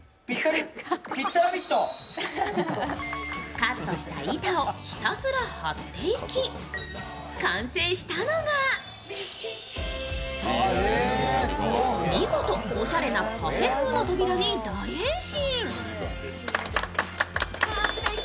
カットした板をひたすら貼っていき、完成したのが見事おしゃれなカフェ風の扉に大変身。